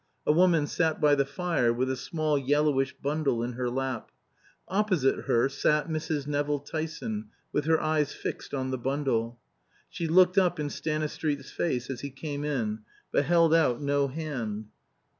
A woman sat by the fire with a small yellowish bundle in her lap. Opposite her sat Mrs. Nevill Tyson, with her eyes fixed on the bundle. She looked up in Stanistreet's face as he came in, but held out no hand.